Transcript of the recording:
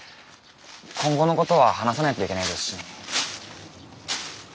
今後のことは話さないといけないですしね。